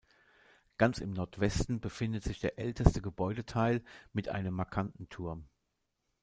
Ganz im Nordwesten befindet sich der älteste Gebäudeteil mit einem markanten Turm.